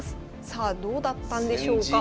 さあどうだったんでしょうか。